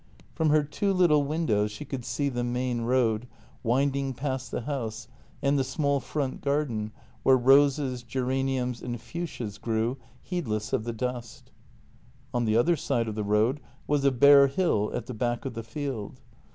JENNY 237 From her two little windows she could see the main road winding past the house and the small front garden, where roses, geraniums, and fuchsias grew, heedless of the dust. On the other side of the road was a bare hill at the back of the field.